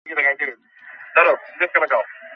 তিনি অস্ট্রীয় ঘরানার অর্থনীতিবিদদের একজন ছিলেন।